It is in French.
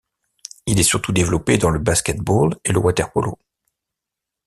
Il est surtout développé dans le basket-ball et le water-polo.